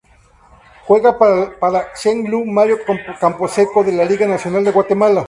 Juega para Xelajú Mario Camposeco de la Liga Nacional de Guatemala.